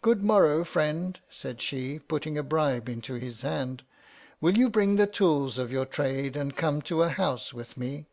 Good morrow, friend, said she, putting a bribe into his hand, will you bring the tools of your trade and come to a House with me